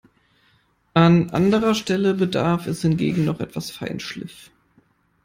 An anderer Stelle bedarf es hingegen noch etwas Feinschliff.